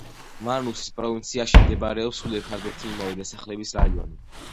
მანუსის პროვინციაში მდებარეობს სულ ერთადერთი იმავე დასახელების რაიონი.